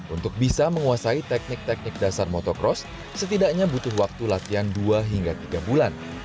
untuk bisa menguasai teknik teknik dasar motocross setidaknya butuh waktu latihan dua hingga tiga bulan